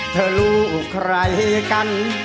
เธอรู้ใครกัน